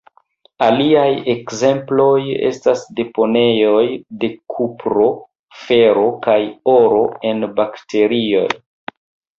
Aliaj ekzemploj estas deponejoj de kupro, fero kaj oro en bakterioj.